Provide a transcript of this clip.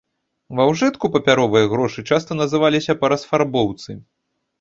Ва ўжытку папяровыя грошы часта называліся па расфарбоўцы.